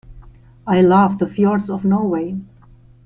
I love the fjords of Norway.